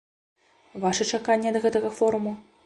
Вашы чаканні ад гэтага форуму?